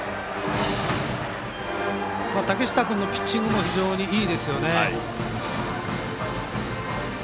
竹下君のピッチングも非常にいいですよね。